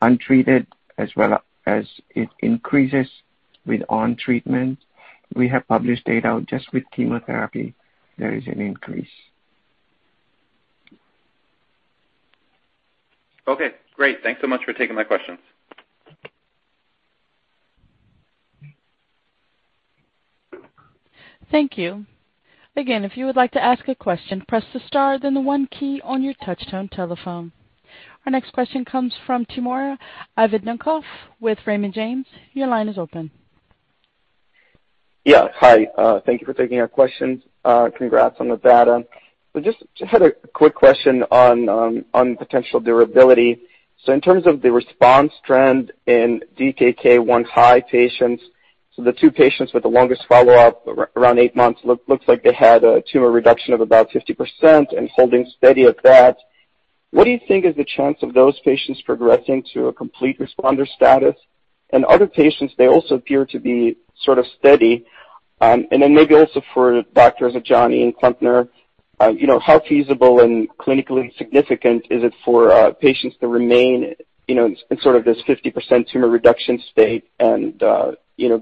Speaker 3: untreated, as well as it increases with on-treatment. We have published data just with chemotherapy. There is an increase.
Speaker 7: Okay, great. Thanks so much for taking my questions.
Speaker 1: Thank you. Our next question comes from [Steven Seedhouse] with Raymond James. Your line is open.
Speaker 8: Yeah. Hi. Thank you for taking our questions. Congrats on the data. Just had a quick question on potential durability. In terms of the response trend in DKK1-high patients, so the two patients with the longest follow-up, around eight months, looks like they had a tumor reduction of about 50% and holding steady at that. What do you think is the chance of those patients progressing to a complete responder status? Other patients, they also appear to be sort of steady. Maybe also for Drs. Ajani and Klempner, how feasible and clinically significant is it for patients to remain in sort of this 50% tumor reduction state and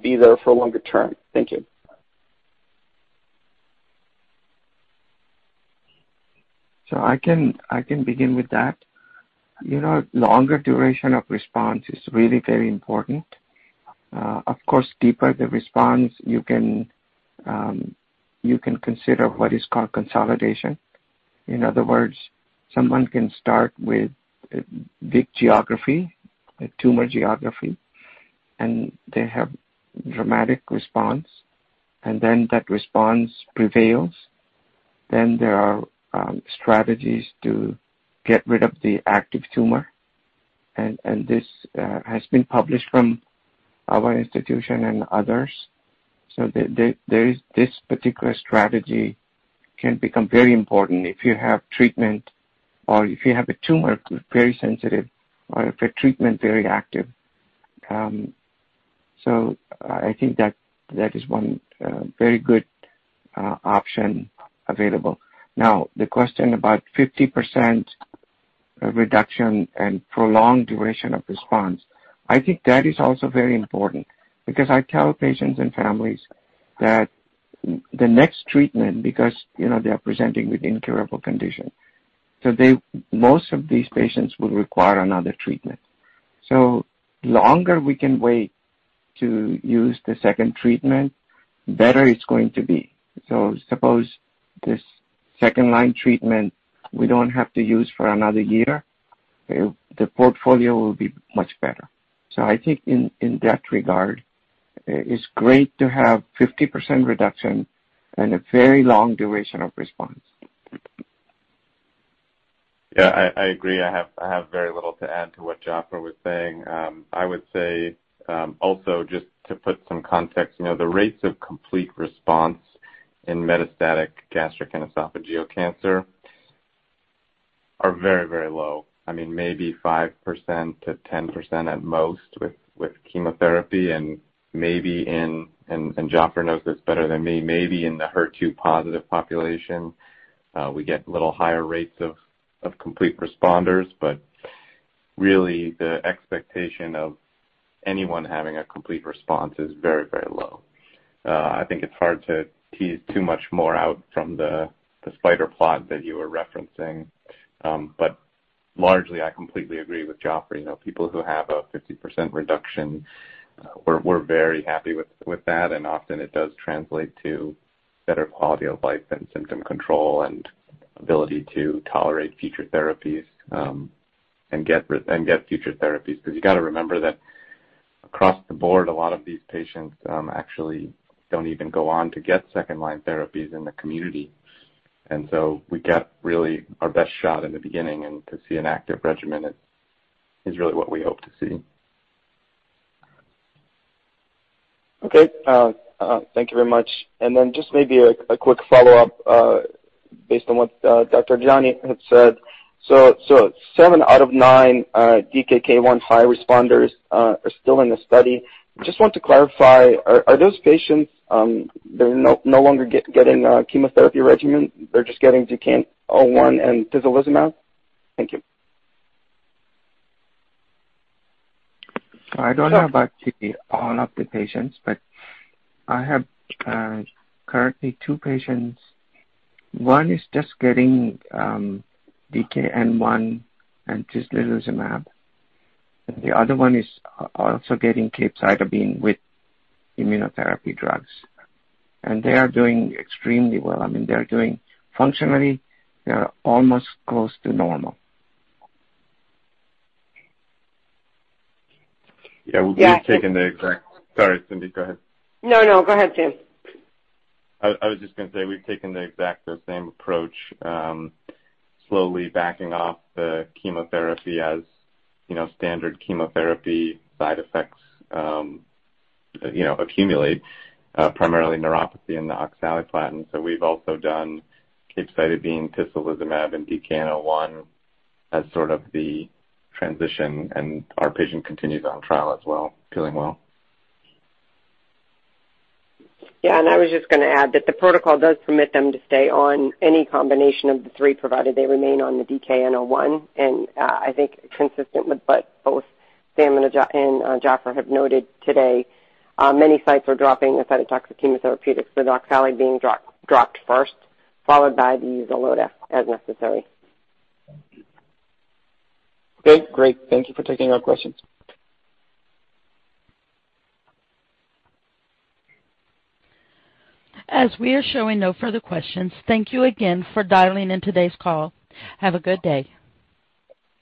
Speaker 8: be there for longer term? Thank you.
Speaker 3: I can begin with that. Longer duration of response is really very important. Of course, deeper the response, you can consider what is called consolidation. In other words, someone can start with big geography, tumor geography, and they have dramatic response, and then that response prevails. Then there are strategies to get rid of the active tumor. This has been published from our institution and others. This particular strategy can become very important if you have treatment or if you have a tumor very sensitive or if a treatment very active. I think that is one very good option available. Now, the question about 50% reduction and prolonged duration of response. I think that is also very important because I tell patients and families that the next treatment, because they are presenting with incurable condition. Most of these patients will require another treatment. Longer we can wait to use the second treatment, better it's going to be. Suppose this second-line treatment we don't have to use for another year, the portfolio will be much better. I think in that regard, it's great to have 50% reduction and a very long duration of response.
Speaker 4: Yeah, I agree. I have very little to add to what Jaffer was saying. I would say, also, just to put some context, the rates of complete response in metastatic gastric and esophageal cancer are very low. Maybe 5%-10% at most with chemotherapy and maybe, and Jaffer knows this better than me, maybe in the HER2 positive population, we get little higher rates of complete responders, but really the expectation of anyone having a complete response is very low. I think it's hard to tease too much more out from the spider plot that you were referencing. Largely, I completely agree with Jaffer. People who have a 50% reduction, we're very happy with that, and often it does translate to better quality of life and symptom control and ability to tolerate future therapies, and get future therapies. You got to remember that across the board, a lot of these patients actually don't even go on to get second-line therapies in the community. We get really our best shot in the beginning and to see an active regimen is really what we hope to see.
Speaker 8: Okay. Thank you very much. Then just maybe a quick follow-up, based on what Dr. Ajani had said. seven out of nine DKK1-high responders are still in the study. Just want to clarify, are those patients, they're no longer getting chemotherapy regimen? They're just getting DKN-01 and tislelizumab? Thank you.
Speaker 3: I don't know about all of the patients, but I have currently two patients. One is just getting DKN-01 and tislelizumab. The other one is also getting capecitabine with immunotherapy drugs. They are doing extremely well. Functionally, they are almost close to normal.
Speaker 4: Sorry, Cyndy. Go ahead.
Speaker 2: No, go ahead, Sam.
Speaker 4: I was just going to say, we've taken the exact same approach, slowly backing off the chemotherapy as standard chemotherapy side effects accumulate, primarily neuropathy and the oxaliplatin. We've also done capecitabine, tislelizumab, and DKN-01 as sort of the transition, and our patient continues on trial as well, feeling well.
Speaker 2: Yeah, I was just going to add that the protocol does permit them to stay on any combination of the three, provided they remain on the DKN-01. I think consistent with what both Sam and Jaffer have noted today, many sites are dropping a cytotoxic therapeutic, so the oxaliplatin being dropped first, followed by the Xeloda as necessary.
Speaker 8: Okay, great. Thank you for taking our questions.
Speaker 1: As we are showing no further questions, thank you again for dialing in today's call. Have a good day.